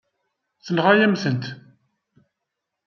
Tenɣa-yam-tent.